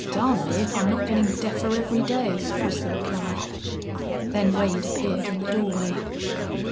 "Darn me if I'm not gettin' deafer every day," was the reply. Then Wade appeared in the doorway.